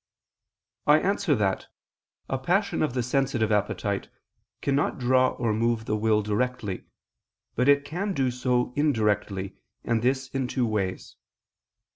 I answer that, A passion of the sensitive appetite cannot draw or move the will directly; but it can do so indirectly, and this in two ways.